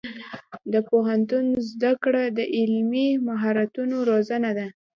د پوهنتون زده کړه د عملي مهارتونو روزنه ده.